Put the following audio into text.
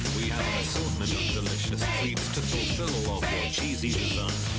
チーズ！